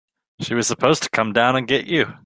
She was supposed to come down and get you.